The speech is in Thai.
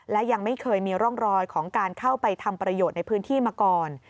และยังไม่เคยมีร่องรอยของการเข้าไปทำประโยชน์ในพื้นที่มาก่อน